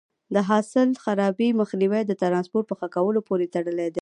د حاصل د خرابي مخنیوی د ټرانسپورټ په ښه کولو پورې تړلی دی.